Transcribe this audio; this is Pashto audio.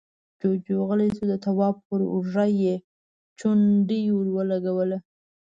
جُوجُو غلی شو، د تواب پر اوږه يې چونډۍ ور ولګوله: